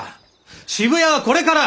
渋谷はこれから！